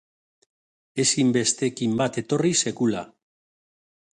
Ezin besteekin bat etorri sekula.